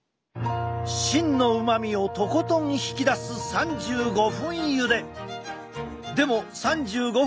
芯のうまみをとことん引き出す３５分ゆで。